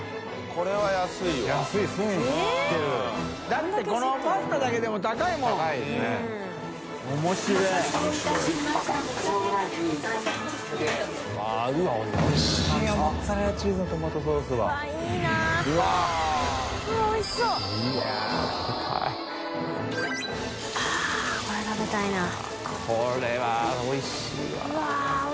これはおいしいわ。